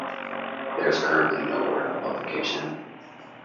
There is currently no word on publication.